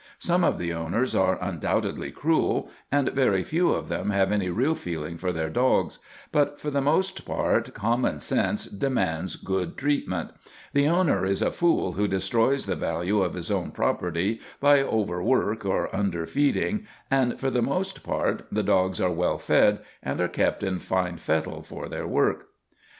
Some of the owners are undoubtedly cruel, and very few of them have any real feeling for their dogs, but for the most part common sense demands good treatment; the owner is a fool who destroys the value of his own property by overwork or underfeeding, and for the most part the dogs are well fed and are kept in fine fettle for their work.